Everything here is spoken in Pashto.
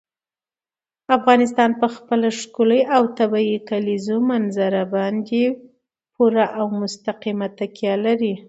افغانستان په خپله ښکلې او طبیعي کلیزو منظره باندې پوره او مستقیمه تکیه لري.